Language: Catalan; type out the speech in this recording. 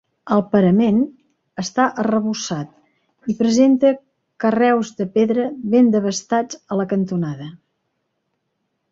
El parament està arrebossat i presenta carreus de pedra ben desbastats a la cantonada.